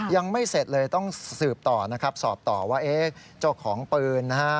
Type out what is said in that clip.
ยังไม่เสร็จเลยต้องสืบต่อสอบต่อว่าเจ้าของปืน